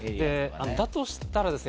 だとしたらですね